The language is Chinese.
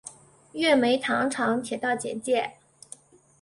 月眉糖厂铁道简介